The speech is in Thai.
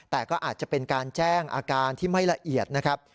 แต่ก็อาจจะเป็นการแจ้งอาการที่ไม่ละเอียดนะครับ